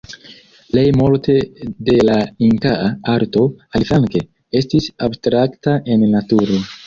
Plej multe de la inkaa arto, aliflanke, estis abstrakta en naturo.